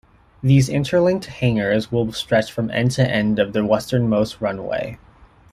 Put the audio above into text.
These interlinked hangars will stretch from end-to-end of the westernmost runway.